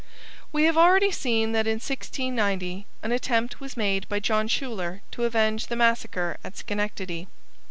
We have already seen that in 1690 an attempt was made by John Schuyler to avenge the massacre at Schenectady.